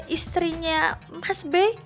istrinya mas b